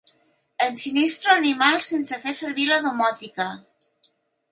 Ensinistro animals sense fer servir la domòtica.